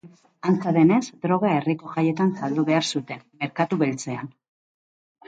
Antza denez, droga herriko jaietan saldu behar zuten, merkatu beltzean.